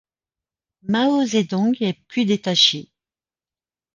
Mao Zedong est plus détaché.